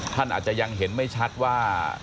ท่านอาจจะยังเห็นไม่ชัดว่า